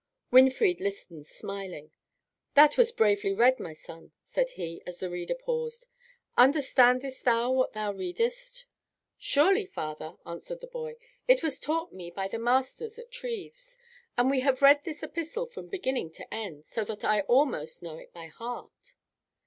Winfried listened smiling. "That was bravely read, my son," said he, as the reader paused. "Understandest thou what thou readest?" "Surely, father," answered the boy; "it was taught me by the masters at Treves; and we have read this epistle from beginning to end, so that I almost know it by heart."